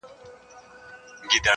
چی په ژوند کی مو لیدلي دي اورونه؛